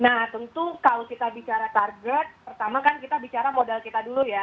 nah tentu kalau kita bicara target pertama kan kita bicara modal kita dulu ya